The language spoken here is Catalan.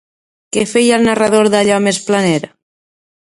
Què feia el narrador d'allò més planer?